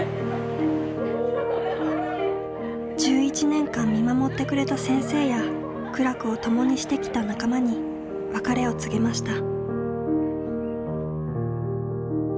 １１年間見守ってくれた先生や苦楽を共にしてきた仲間に別れを告げました。